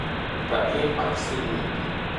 ประเภทวัคซีน